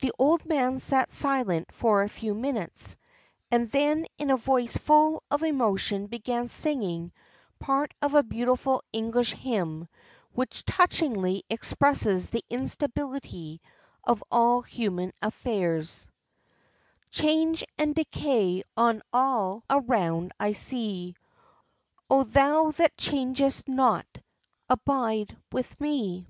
The old man sat silent for a few minutes, and then in a voice full of emotion began singing part of a beautiful English hymn which touchingly expresses the instability of all human affairs:— "Change and decay on all around I see: O Thou that changest not, abide with me."